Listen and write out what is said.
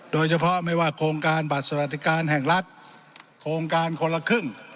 โดยเฉพาะไม่ว่าโครงการบัตรสวัสดิการแห่งรัฐโครงการคนละครึ่ง